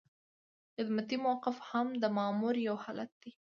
خدمتي موقف هم د مامور یو حالت دی.